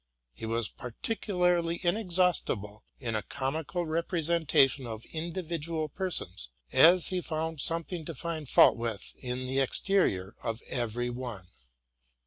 He was particularly inexhaustible in a comical representation of individual persons, as he found some thing to find fault with in the exterior of every one.